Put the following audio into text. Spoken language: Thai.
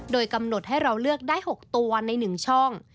โดยกำหนดให้เราเลือกได้๖ตัวใน๑ช่อง